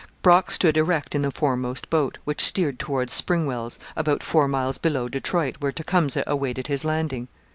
Brock stood erect in the foremost boat, which steered towards Springwells, about four miles below Detroit, where Tecumseh awaited his landing.